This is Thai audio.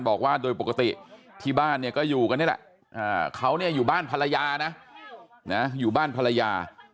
บอกว่าโดยปกติที่บ้านเนี่ยก็อยู่กันนี่แหละเขาอยู่บ้านภรรยานะอยู่บ้านภรรยา